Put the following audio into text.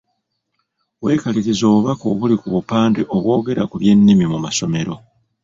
Weekalirize obubaka obuli ku bupande obwogera ku by’ennimi mu masomero.